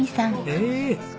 へえ！